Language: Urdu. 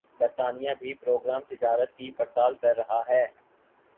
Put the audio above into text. برطانیہ بھِی پروگرام تجارت کی پڑتال کر رہا ہے